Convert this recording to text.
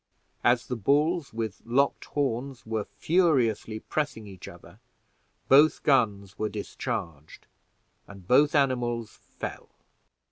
As the bulls, with locked horns, were furiously pressing each other, both guns were discharged, and both animals fell.